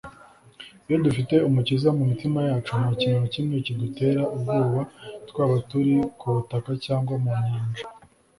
iyo dufite umukiza mu mitima yacu, nta kintu na kimwe kidutera ubwoba, twaba turi ku butaka cyangwa mu nyanja